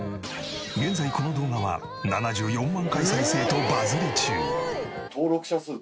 現在この動画は７４万回再生とバズり中。